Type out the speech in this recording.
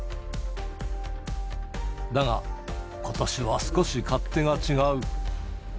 だが、ことしは少し勝手が違う。